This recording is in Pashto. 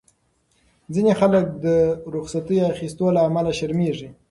ځینې خلک د رخصتۍ اخیستو له امله شرمېږي.